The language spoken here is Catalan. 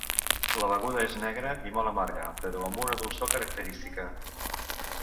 La beguda és negra i molt amarga però amb una dolçor característica.